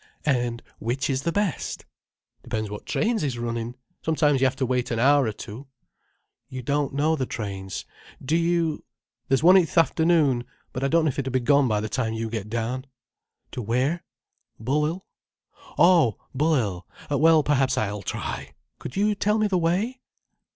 "And which is the best?" "Depends what trains is runnin'. Sometimes yer have to wait an hour or two—" "You don't know the trains, do you—?" "There's one in th' afternoon—but I don't know if it'd be gone by the time you get down." "To where?" "Bull'ill." "Oh Bull'ill! Well, perhaps I'll try. Could you tell me the way?"